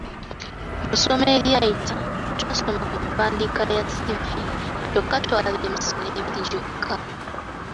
Mu ssomo eryayita twasoma ku mpandiika ya ‘ssivvi’ kyokka twalaba emisono ebiri gyokka.